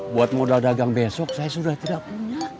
buat modal dagang besok saya sudah tidak punya